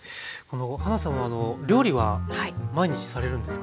はなさんは料理は毎日されるんですか？